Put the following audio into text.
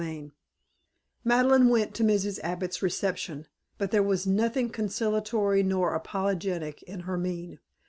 XVIII Madeleine went to Mrs. Abbott's reception, but there was nothing conciliatory nor apologetic in her mien.